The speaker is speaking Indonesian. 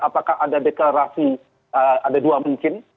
apakah ada deklarasi ada dua mungkin